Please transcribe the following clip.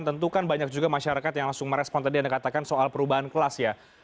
tentu kan banyak juga masyarakat yang langsung merespon tadi anda katakan soal perubahan kelas ya